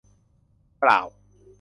เปล่า